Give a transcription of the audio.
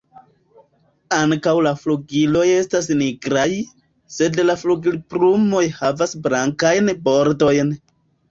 Ankaŭ la flugiloj estas nigraj, sed la flugilplumoj havas blankajn bordojn.